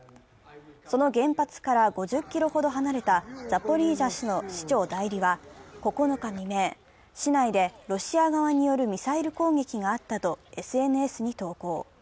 その原発から５０ｋｍほど離れたザポリージャ市の市長代理は、９日未明、市内でロシア側によるミサイル攻撃があったとＳＮＳに投稿。